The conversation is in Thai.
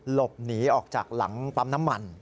หลบหนีออกจากหลังปั๊มน้ำมัน